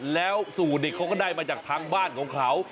แล้วสูตรเด็ดเขาก็ได้มาจากทางบ้านของเขา